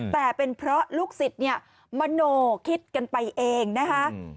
แต่เป็นเพราะลูกศิษย์เนี่ยมโนคิดกันไปเองนะคะ